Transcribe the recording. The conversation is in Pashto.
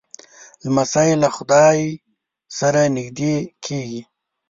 لمسی له خدای سره نږدې کېږي.